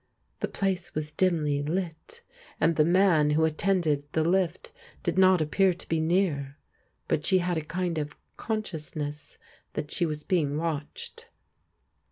The place was dimly lit, and the man who attended the lift did not appear to be near, but she had a kind of consciousness that she was being watched.